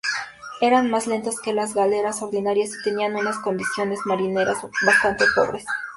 Eran más lentas que las galeras ordinarias y tenían unas condiciones marineras bastante pobres.